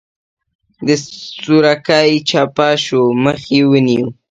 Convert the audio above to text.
سورکی چپه شو مخ يې ونيو.